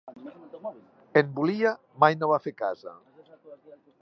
En Volia mai no va fer casa.